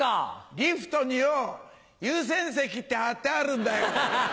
リフトによぉ「優先席」って張ってあるんだよ。